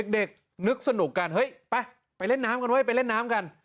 เด็กนึกสนุกกันไปเล่นน้ำกันไง